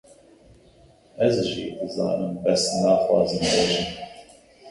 Ez jî dizanim bes naxwazim bêjim